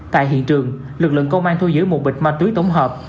tại hiện trường lực lượng công an thu giữ một bịch ma túy tổng hợp